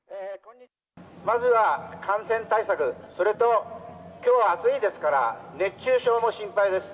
まずは感染対策、それと、きょうは暑いですから、熱中症も心配です。